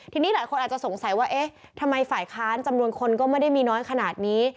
ทีนี้หลายคนอาจจะสงสัยว่าเอ๊ะทำไมฝ่ายค้านจำนวนคนก็ไม่ได้มีน้อยขนาดนี้